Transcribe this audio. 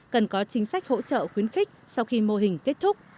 cần có chính sách hỗ trợ khuyến khích sau khi mô hình kết thúc